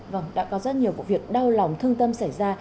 vâng đã có rất nhiều vụ việc đau lòng thương tâm xảy ra